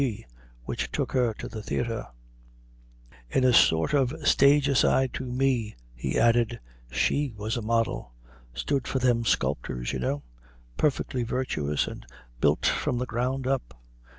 G. which took her to the theater." In a sort of stage aside to me, he added, "She was a model! Stood for them sculptors, you know; perfectly virtuous, and built from the ground up."